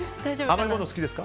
甘いもの好きですか？